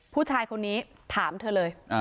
ผู้ชายคนนี้ถามเธอเลย